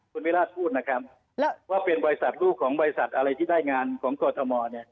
คุณวิราชพูดนะครับว่าเป็นบริษัทลูกของบริษัทอะไรที่ได้งานของกรทมเนี่ย